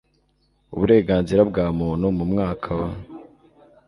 uburenganzira bwa Muntu mu mwaka w